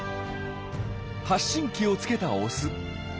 発信機をつけたオス。